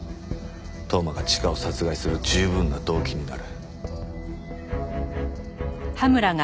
当麻がチカを殺害する十分な動機になる。